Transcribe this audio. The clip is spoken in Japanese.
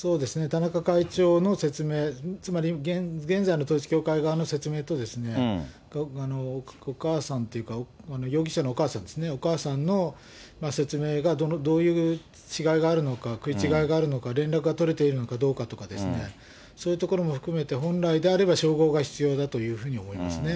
田中会長の説明、つまり現在の統一教会側の説明と、お母さんというか、容疑者のお母さんですね、お母さんの説明がどういう違いがあるのか、食い違いがあるのか、連絡が取れているのかどうかですね、そういうところも含めて、本来であれば照合が必要だというふうに思いますね。